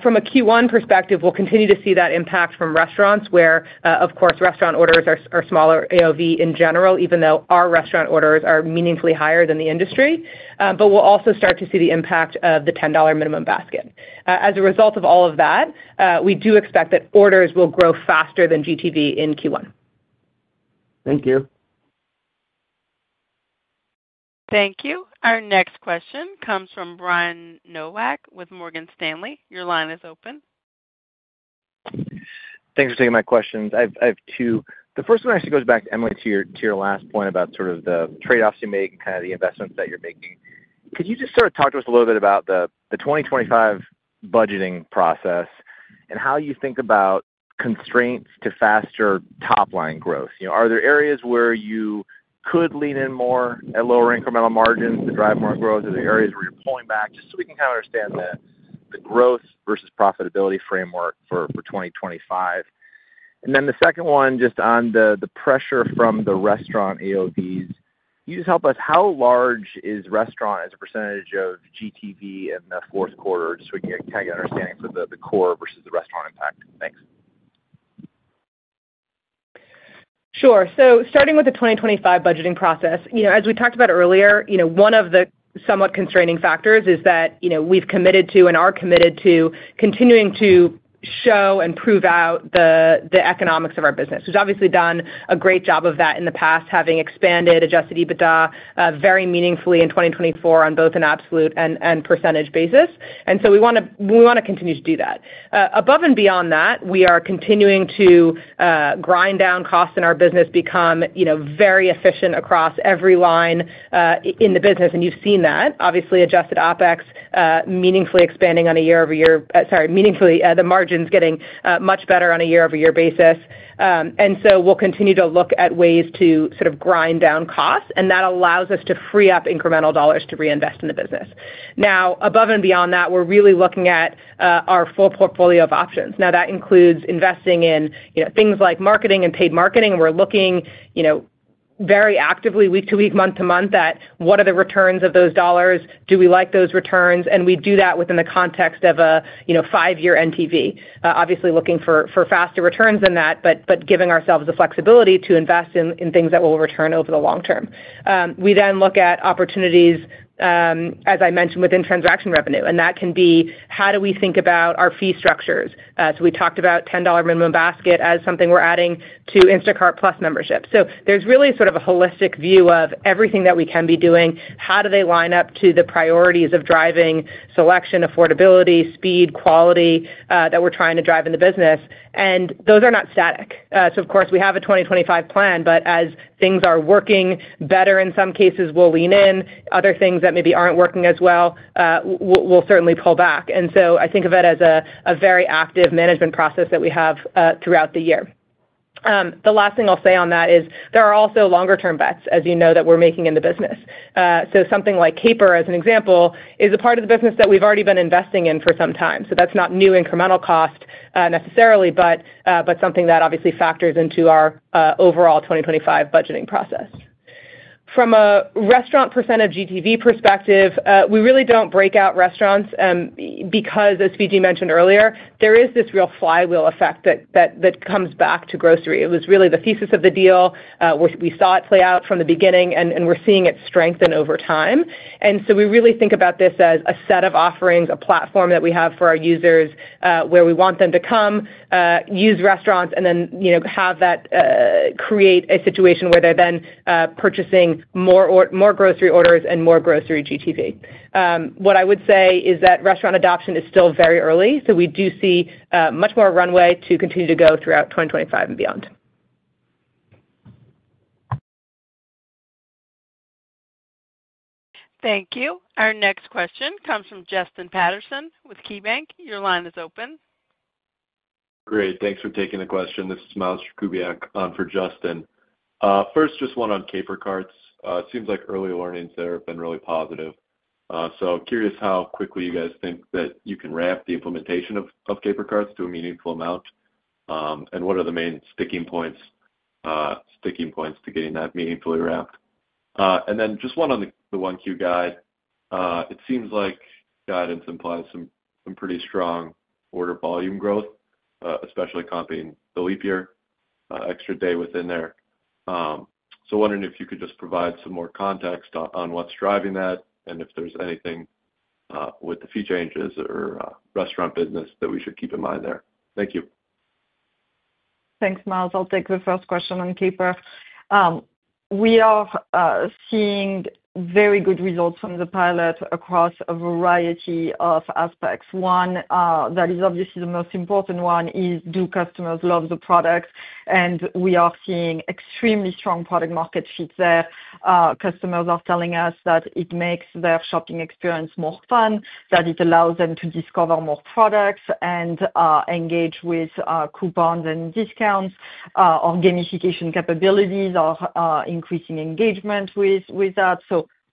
From a Q1 perspective, we'll continue to see that impact from restaurants where, of course, restaurant orders are smaller AOV in general, even though our restaurant orders are meaningfully higher than the industry. But we'll also start to see the impact of the $10 minimum basket. As a result of all of that, we do expect that orders will grow faster than GTV in Q1. Thank you. Thank you. Our next question comes from Brian Nowak with Morgan Stanley. Your line is open. Thanks for taking my questions. The first one actually goes back, Emily, to your last point about sort of the trade-offs you make and kind of the investments that you're making. Could you just sort of talk to us a little bit about the 2025 budgeting process and how you think about constraints to faster top-line growth? Are there areas where you could lean in more at lower incremental margins to drive more growth? Are there areas where you're pulling back? Just so we can kind of understand the growth versus profitability framework for 2025. And then the second one, just on the pressure from the restaurant AOVs, you just help us. How large is restaurant as a percentage of GTV in the fourth quarter? Just so we can kind of get an understanding for the core versus the restaurant impact. Thanks. Sure. So starting with the 2025 budgeting process, as we talked about earlier, one of the somewhat constraining factors is that we've committed to and are committed to continuing to show and prove out the economics of our business. We've obviously done a great job of that in the past, having expanded Adjusted EBITDA very meaningfully in 2024 on both an absolute and percentage basis. And so we want to continue to do that. Above and beyond that, we are continuing to grind down costs in our business, become very efficient across every line in the business. And you've seen that, obviously, adjusted OpEx meaningfully expanding on a year-over-year sorry, meaningfully the margins getting much better on a year-over-year basis. And so we'll continue to look at ways to sort of grind down costs, and that allows us to free up incremental dollars to reinvest in the business. Now, above and beyond that, we're really looking at our full portfolio of options. Now, that includes investing in things like marketing and paid marketing. We're looking very actively week to week, month to month at what are the returns of those dollars? Do we like those returns? And we do that within the context of a five-year LTV, obviously looking for faster returns than that, but giving ourselves the flexibility to invest in things that will return over the long term. We then look at opportunities, as I mentioned, within transaction revenue. And that can be how do we think about our fee structures? So we talked about $10 minimum basket as something we're adding to Instacart+ membership. So there's really sort of a holistic view of everything that we can be doing. How do they line up to the priorities of driving selection, affordability, speed, quality that we're trying to drive in the business? And those are not static. So, of course, we have a 2025 plan, but as things are working better, in some cases, we'll lean in. Other things that maybe aren't working as well, we'll certainly pull back. And so I think of it as a very active management process that we have throughout the year. The last thing I'll say on that is there are also longer-term bets, as you know, that we're making in the business. So something like Caper, as an example, is a part of the business that we've already been investing in for some time. So that's not new incremental cost necessarily, but something that obviously factors into our overall 2025 budgeting process. From a restaurant % of GTV perspective, we really don't break out restaurants because, as Fidji mentioned earlier, there is this real flywheel effect that comes back to grocery. It was really the thesis of the deal. We saw it play out from the beginning, and we're seeing it strengthen over time, and so we really think about this as a set of offerings, a platform that we have for our users where we want them to come, use restaurants, and then have that create a situation where they're then purchasing more grocery orders and more grocery GTV. What I would say is that restaurant adoption is still very early. So we do see much more runway to continue to go throughout 2025 and beyond. Thank you. Our next question comes from Justin Patterson with KeyBanc. Your line is open. Great. Thanks for taking the question. This is Miles Gubiak on for Justin. First, just one on Caper Carts. It seems like early learnings there have been really positive. So I'm curious how quickly you guys think that you can ramp the implementation of Caper Carts to a meaningful amount and what are the main sticking points to getting that meaningfully ramped? And then just one on the Q1 guidance. It seems like guidance implies some pretty strong order volume growth, especially comping the leap year, extra day within there. So wondering if you could just provide some more context on what's driving that and if there's anything with the fee changes or restaurant business that we should keep in mind there. Thank you. Thanks, Miles. I'll take the first question on Caper. We are seeing very good results from the pilot across a variety of aspects. One that is obviously the most important one is do customers love the product? And we are seeing extremely strong product market fit there. Customers are telling us that it makes their shopping experience more fun, that it allows them to discover more products and engage with coupons and discounts or gamification capabilities or increasing engagement with that.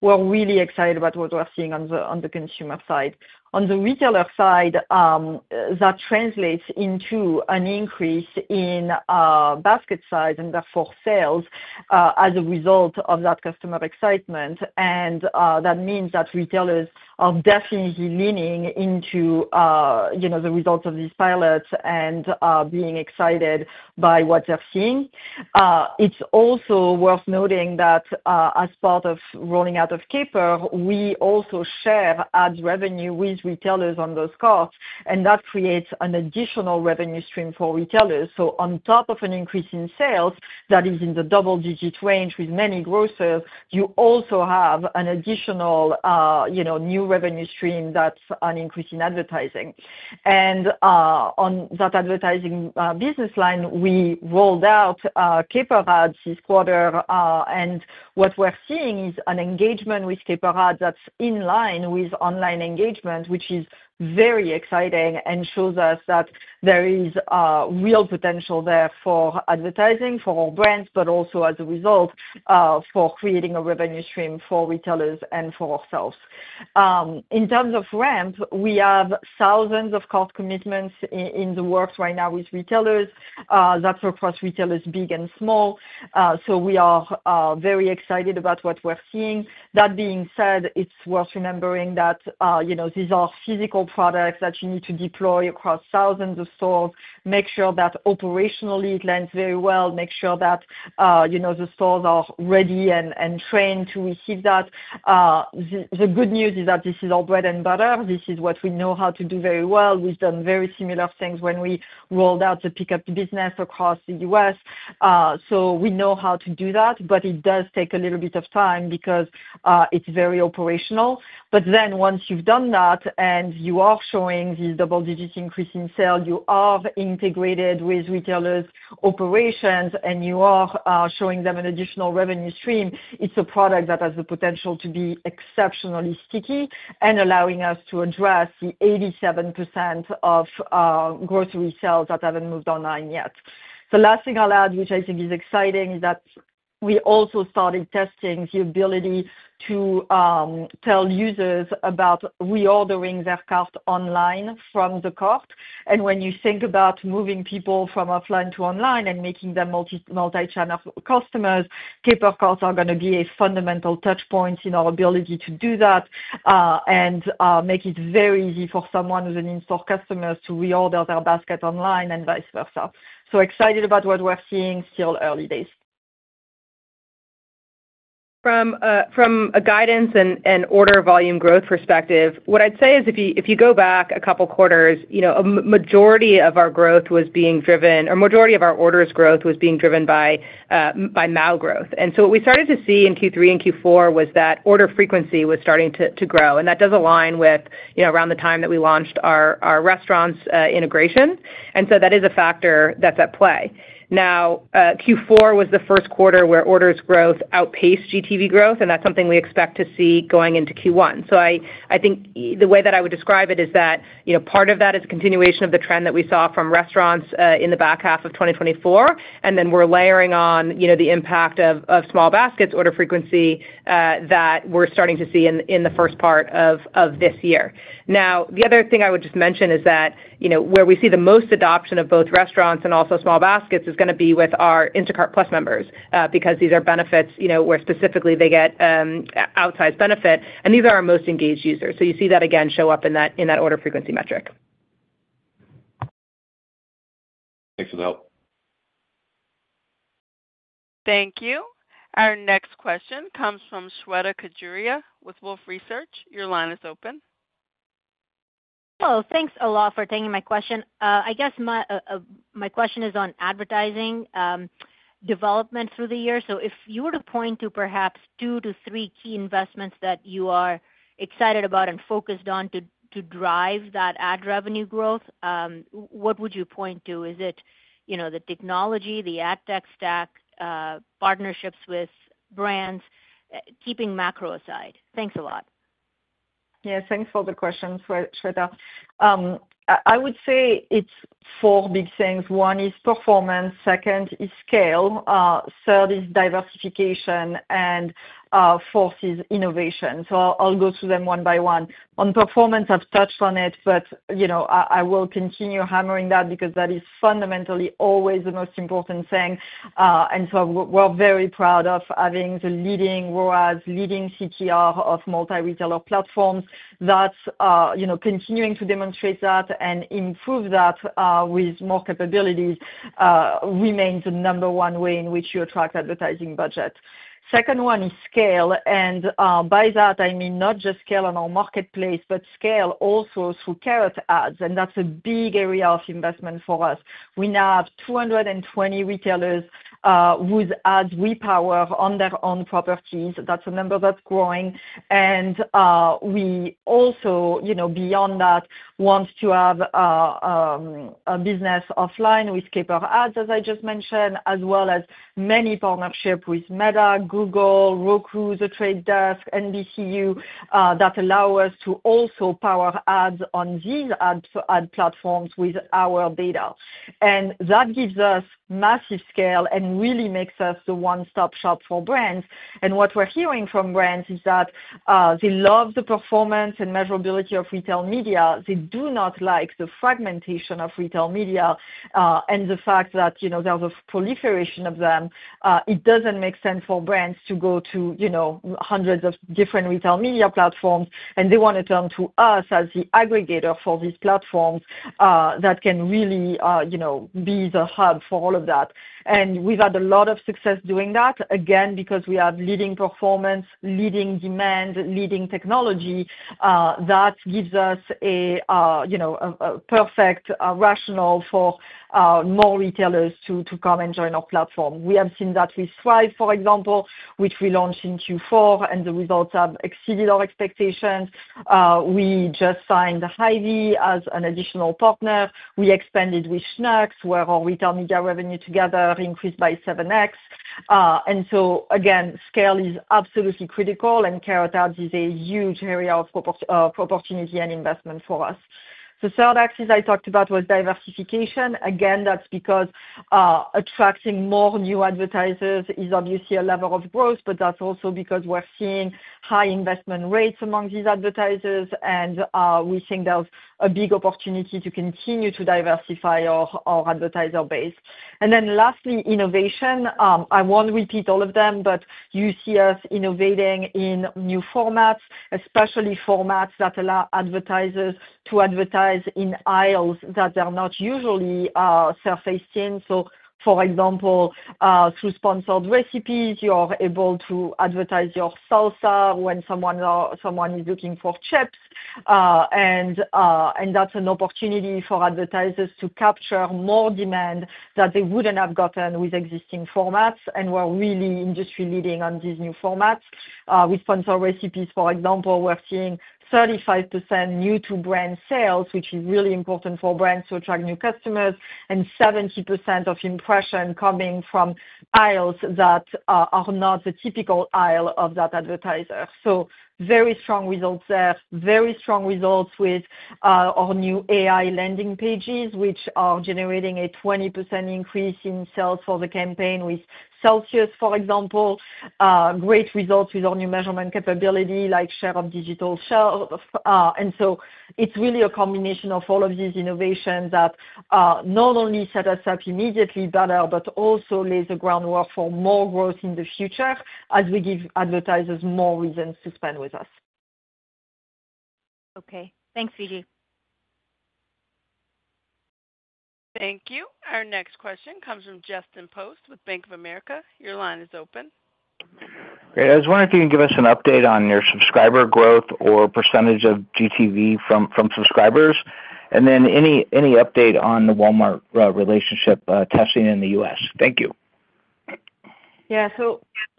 So we're really excited about what we're seeing on the consumer side. On the retailer side, that translates into an increase in basket size and therefore sales as a result of that customer excitement. And that means that retailers are definitely leaning into the results of these pilots and being excited by what they're seeing. It's also worth noting that as part of rolling out of Caper, we also share ads revenue with retailers on those carts, and that creates an additional revenue stream for retailers. So on top of an increase in sales that is in the double-digit range with many grocers, you also have an additional new revenue stream that's an increase in advertising. And on that advertising business line, we rolled out Caper Ads this quarter. And what we're seeing is an engagement with Caper Ads that's in line with online engagement, which is very exciting and shows us that there is real potential there for advertising for our brands, but also as a result for creating a revenue stream for retailers and for ourselves. In terms of ramp, we have thousands of cart commitments in the works right now with retailers. That's across retailers big and small. So we are very excited about what we're seeing. That being said, it's worth remembering that these are physical products that you need to deploy across thousands of stores, make sure that operationally it lands very well, make sure that the stores are ready and trained to receive that. The good news is that this is our bread and butter. This is what we know how to do very well. We've done very similar things when we rolled out the pickup business across the U.S. So we know how to do that, but it does take a little bit of time because it's very operational. But then once you've done that and you are showing these double-digit increases in sales, you are integrated with retailers' operations, and you are showing them an additional revenue stream, it's a product that has the potential to be exceptionally sticky and allowing us to address the 87% of grocery sales that haven't moved online yet. The last thing I'll add, which I think is exciting, is that we also started testing the ability to tell users about reordering their cart online from the cart. And when you think about moving people from offline to online and making them multi-channel customers, Caper Carts are going to be a fundamental touchpoint in our ability to do that and make it very easy for someone with an in-store customer to reorder their basket online and vice versa. So excited about what we're seeing. Still early days. From a guidance and order volume growth perspective, what I'd say is if you go back a couple of quarters, a majority of our growth was being driven or a majority of our orders growth was being driven by new growth. And so what we started to see in Q3 and Q4 was that order frequency was starting to grow. And that does align with around the time that we launched our restaurants integration. And so that is a factor that's at play. Now, Q4 was the first quarter where orders growth outpaced GTV growth, and that's something we expect to see going into Q1. So I think the way that I would describe it is that part of that is a continuation of the trend that we saw from restaurants in the back half of 2024. And then we're layering on the impact of small baskets order frequency that we're starting to see in the first part of this year. Now, the other thing I would just mention is that where we see the most adoption of both restaurants and also small baskets is going to be with our Instacart+ members because these are benefits where specifically they get outsized benefit. And these are our most engaged users. So you see that again show up in that order frequency metric. Thanks for the help. Thank you. Our next question comes from Shweta Khajuria with Wolfe Research. Your line is open. Hello. Thanks a lot for taking my question. I guess my question is on advertising development through the year. So if you were to point to perhaps two to three key investments that you are excited about and focused on to drive that ad revenue growth, what would you point to? Is it the technology, the ad tech stack, partnerships with brands, keeping macro aside? Thanks a lot. Yes. Thanks for the question, Shweta. I would say it's four big things. One is performance. Second is scale. Third is diversification. And fourth is innovation. So I'll go through them one by one. On performance, I've touched on it, but I will continue hammering that because that is fundamentally always the most important thing. And so we're very proud of having the leading ROAS, leading CTR of multi-retailer platforms. That's continuing to demonstrate that and improve that with more capabilities remains the number one way in which you attract advertising budget. Second one is scale. And by that, I mean not just scale on our marketplace, but scale also through Carrot Ads. And that's a big area of investment for us. We now have 220 retailers whose ads we power on their own properties. That's a number that's growing. We also, beyond that, want to have a business offline with Caper Ads, as I just mentioned, as well as many partnerships with Meta, Google, Roku, The Trade Desk, NBCU that allow us to also power ads on these ad platforms with our data. That gives us massive scale and really makes us the one-stop shop for brands. What we're hearing from brands is that they love the performance and measurability of retail media. They do not like the fragmentation of retail media and the fact that there's a proliferation of them. It doesn't make sense for brands to go to hundreds of different retail media platforms, and they want to turn to us as the aggregator for these platforms that can really be the hub for all of that. And we've had a lot of success doing that, again, because we have leading performance, leading demand, leading technology that gives us a perfect rationale for more retailers to come and join our platform. We have seen that with Stripe, for example, which we launched in Q4, and the results have exceeded our expectations. We just signed Hy-Vee as an additional partner. We expanded with Schnucks, where our retail media revenue together increased by 7x. And so, again, scale is absolutely critical, and Carrot Ads is a huge area of opportunity and investment for us. The third axis I talked about was diversification. Again, that's because attracting more new advertisers is obviously a lever of growth, but that's also because we're seeing high investment rates among these advertisers, and we think there's a big opportunity to continue to diversify our advertiser base. And then lastly, innovation. I won't repeat all of them, but you see us innovating in new formats, especially formats that allow advertisers to advertise in aisles that they're not usually surfaced in. So, for example, through sponsored recipes, you're able to advertise your salsa when someone is looking for chips. And that's an opportunity for advertisers to capture more demand that they wouldn't have gotten with existing formats. And we're really industry-leading on these new formats. With sponsored recipes, for example, we're seeing 35% new-to-brand sales, which is really important for brands to attract new customers, and 70% of impressions coming from aisles that are not the typical aisle of that advertiser. So very strong results there, very strong results with our new AI landing pages, which are generating a 20% increase in sales for the campaign with Celsius, for example, great results with our new measurement capability like share of digital shelf. And so it's really a combination of all of these innovations that not only set us up immediately better, but also lays the groundwork for more growth in the future as we give advertisers more reasons to spend with us. Okay. Thanks, Fidji. Thank you. Our next question comes from Justin Post with Bank of America. Your line is open. Great. I just wonder if you can give us an update on your subscriber growth or percentage of GTV from subscribers, and then any update on the Walmart relationship testing in the U.S. Thank you. Yeah.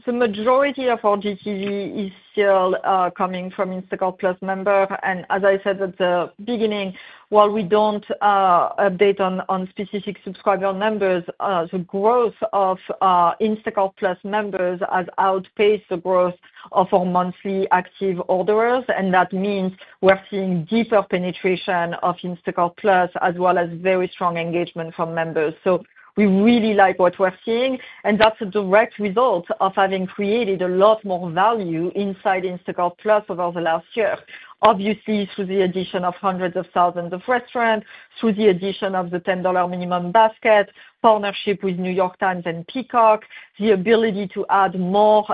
The majority of our GTV is still coming from Instacart+ members. As I said at the beginning, while we don't update on specific subscriber numbers, the growth of Instacart+ members has outpaced the growth of our monthly active orders. That means we're seeing deeper penetration of Instacart+ as well as very strong engagement from members. We really like what we're seeing. That's a direct result of having created a lot more value inside Instacart+ over the last year, obviously through the addition of hundreds of thousands of restaurants, through the addition of the $10 minimum basket, partnership with The New York Times and Peacock, the ability to add more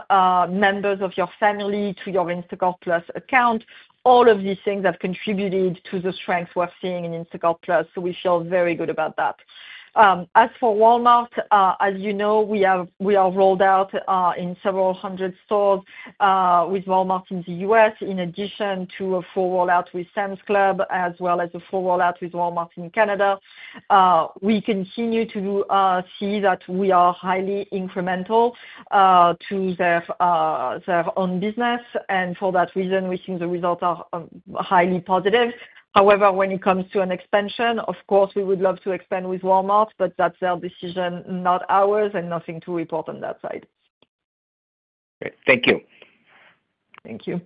members of your family to your Instacart+ account. All of these things have contributed to the strength we're seeing in Instacart+. We feel very good about that. As for Walmart, as you know, we are rolled out in several hundred stores with Walmart in the US, in addition to a full rollout with Sam's Club, as well as a full rollout with Walmart in Canada. We continue to see that we are highly incremental to their own business. And for that reason, we think the results are highly positive. However, when it comes to an expansion, of course, we would love to expand with Walmart, but that's their decision, not ours, and nothing to report on that side. Great. Thank you. Thank you.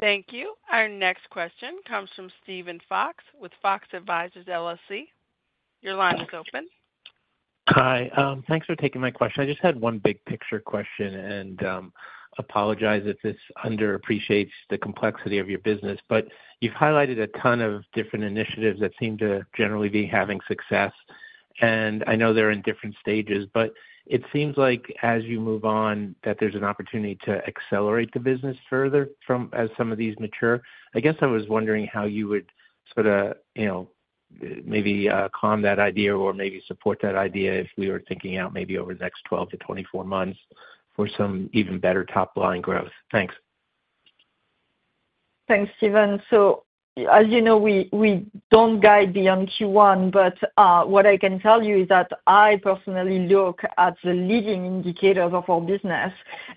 Thank you. Our next question comes from Steven Fox with Fox Advisors LLC. Your line is open. Hi. Thanks for taking my question. I just had one big picture question and apologize if this underappreciates the complexity of your business, but you've highlighted a ton of different initiatives that seem to generally be having success. And I know they're in different stages, but it seems like as you move on, that there's an opportunity to accelerate the business further as some of these mature. I guess I was wondering how you would sort of maybe calm that idea or maybe support that idea if we were thinking out maybe over the next 12-24 months for some even better top-line growth. Thanks. Thanks, Steven. So as you know, we don't guide beyond Q1, but what I can tell you is that I personally look at the leading indicators of our business.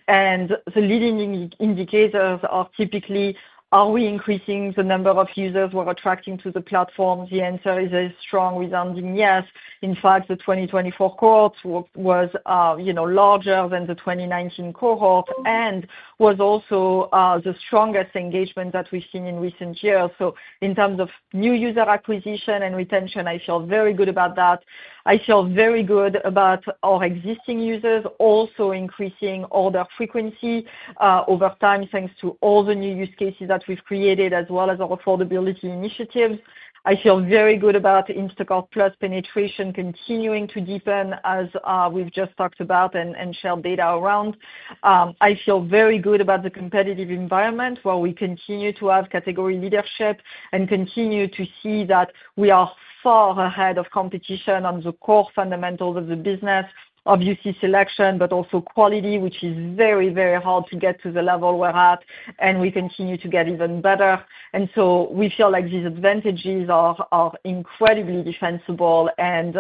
And the leading indicators are typically, are we increasing the number of users we're attracting to the platforms? The answer is a strong resounding yes. In fact, the 2024 cohort was larger than the 2019 cohort and was also the strongest engagement that we've seen in recent years. So in terms of new user acquisition and retention, I feel very good about that. I feel very good about our existing users also increasing order frequency over time thanks to all the new use cases that we've created as well as our affordability initiatives. I feel very good about Instacart+ penetration continuing to deepen as we've just talked about and shared data around. I feel very good about the competitive environment where we continue to have category leadership and continue to see that we are far ahead of competition on the core fundamentals of the business, obviously selection, but also quality, which is very, very hard to get to the level we're at. And we continue to get even better. And so we feel like these advantages are incredibly defensible and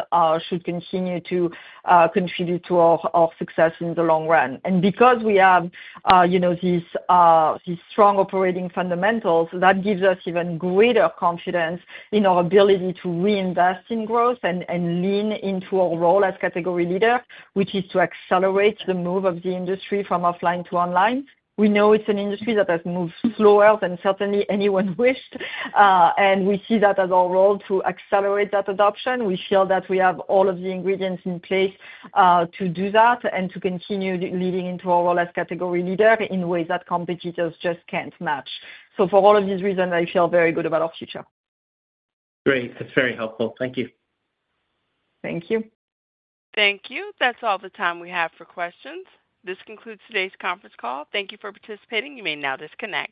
should continue to contribute to our success in the long run. And because we have these strong operating fundamentals, that gives us even greater confidence in our ability to reinvest in growth and lean into our role as category leader, which is to accelerate the move of the industry from offline to online. We know it's an industry that has moved slower than certainly anyone wished, and we see that as our role to accelerate that adoption. We feel that we have all of the ingredients in place to do that and to continue leading into our role as category leader in ways that competitors just can't match. So for all of these reasons, I feel very good about our future. Great. That's very helpful. Thank you. Thank you. Thank you. That's all the time we have for questions. This concludes today's conference call. Thank you for participating. You may now disconnect.